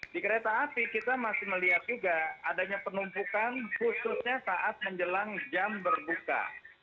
di kereta api kita masih melihat juga adanya penumpukan khususnya saat menjelang jam berbuka